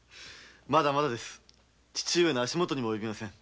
まだ父上の足元にも及びません。